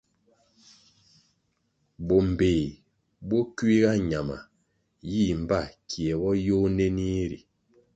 Bo mbpéh bo kuiga ñama yih mbpa kie bo yôh nenih ri.